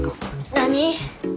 何？